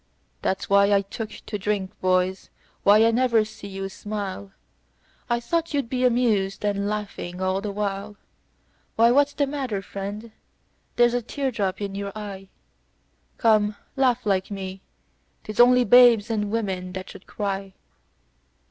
"That's why I took to drink, boys. Why, I never see you smile, I thought you'd be amused, and laughing all the while. Why, what's the matter, friend? There's a tear drop in you eye, Come, laugh like me. 'Tis only babes and women that should cry.